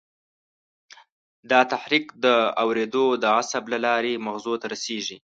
دا تحریک د اورېدو د عصب له لارې مغزو ته رسېږي.